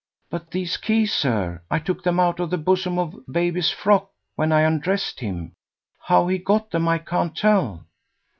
"But these keys, sir? I took them out of the bosom of baby's frock when I undressed him. How he got them I can't tell."